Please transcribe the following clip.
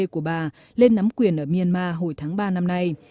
của bà lên nắm quyền ở myanmar hồi tháng ba năm nay